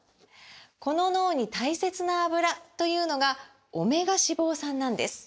この脳に大切なアブラというのがオメガ脂肪酸なんです！